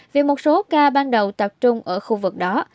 vì một số ca ban đầu tập trung ở khu vực đó